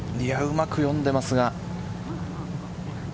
うまく読んでいますが。